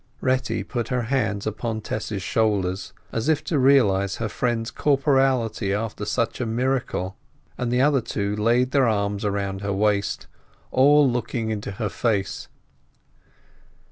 Retty put her hands upon Tess's shoulders, as if to realize her friend's corporeality after such a miracle, and the other two laid their arms round her waist, all looking into her face.